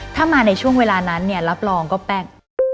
ถ้ามาในช่วงเวลานั้นเนี่ยรับรองก็แป้ง